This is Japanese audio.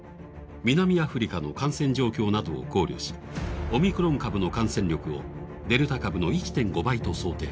南アフリカの感染状況などを考慮し、オミクロン株の感染力をデルタ株の１．５倍と想定。